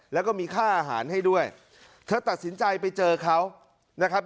แล้วก็มีค่าอาหารให้ด้วยเธอตัดสินใจไปเจอเขานะครับ